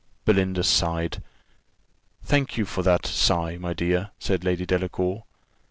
Belinda sighed. "Thank you for that sigh, my dear," said Lady Delacour.